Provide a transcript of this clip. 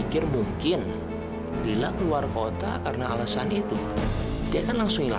aku ingin dia sebagai anak hatinya sendiri